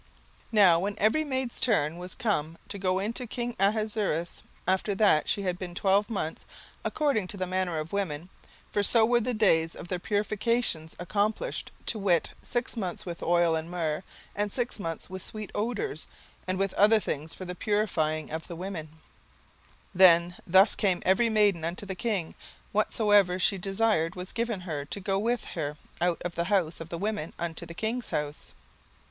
17:002:012 Now when every maid's turn was come to go in to king Ahasuerus, after that she had been twelve months, according to the manner of the women, (for so were the days of their purifications accomplished, to wit, six months with oil of myrrh, and six months with sweet odours, and with other things for the purifying of the women;) 17:002:013 Then thus came every maiden unto the king; whatsoever she desired was given her to go with her out of the house of the women unto the king's house.